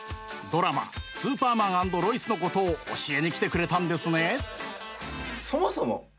ドラマ「スーパーマン＆ロイス」のことを教えに来てくれたんですね。